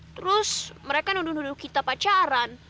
terus mereka nunduh nuduh kita pacaran